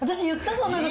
そんなこと。